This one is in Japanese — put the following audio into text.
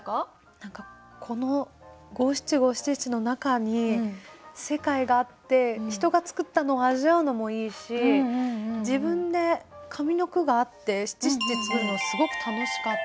何かこの五七五七七の中に世界があって人が作ったのを味わうのもいいし自分で上の句があって七七作るのすごく楽しかった。